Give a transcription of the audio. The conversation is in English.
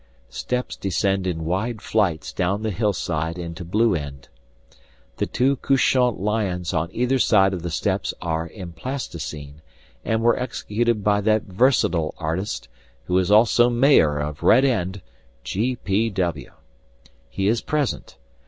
Steps descend in wide flights down the hillside into Blue End. The two couchant lions on either side of the steps are in plasticine, and were executed by that versatile artist, who is also mayor of Red End, G. P. W. He is present.